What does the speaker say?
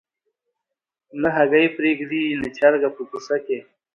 نه هګۍ پرېږدي نه چرګه په کوڅه کي